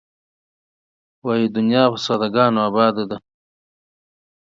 وایې دنیا په ساده ګانو آباده ده.